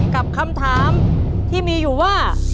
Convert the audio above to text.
กับคำถามที่มีอยู่ว่า